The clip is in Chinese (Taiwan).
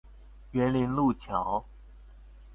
員林陸橋